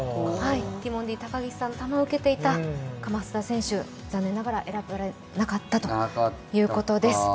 ティモンディたかぎしの球を受けていた叺田選手、残念ながら選ばれなかったということです。